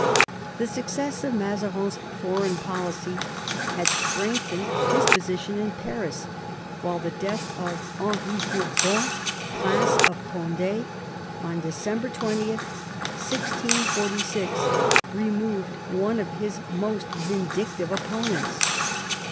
The success of Mazarin's foreign policy had strengthened his position in Paris, while the death of Henry Bourbon, Prince of Cond^, on December 20, 1646, removed one of his most vindictive opponents.